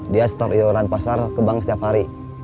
dia store iuran pasar ke bank setiap hari